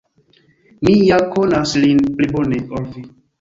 Mi ja konas lin pli bone, ol vi.